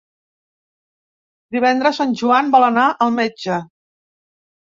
Divendres en Joan vol anar al metge.